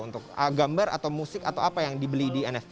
untuk gambar atau musik atau apa yang dibeli di nft